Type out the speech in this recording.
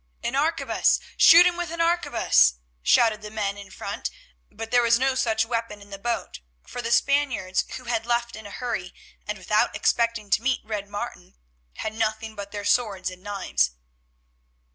"An arquebus, shoot him with an arquebus!" shouted the men in front; but there was no such weapon in the boat, for the Spaniards, who had left in a hurry, and without expecting to meet Red Martin, had nothing but their swords and knives.